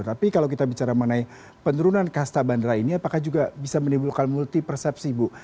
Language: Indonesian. tapi kalau kita bicara mengenai penurunan kasta bandara ini apakah juga bisa menimbulkan multi persepsi ibu